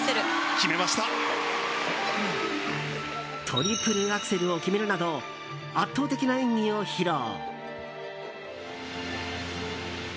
トリプルアクセルを決めるなど圧倒的な演技を披露！